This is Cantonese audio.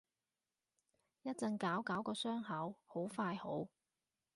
一陣搞搞個傷口，好快好